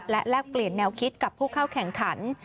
และแลกเปลี่ยนแนวคิดกับผู้เข้าแข่งขัน